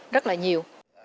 rất là nhiều